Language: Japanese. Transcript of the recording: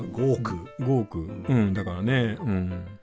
５億だからねうん。